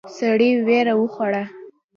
سړی وېره وخوړه.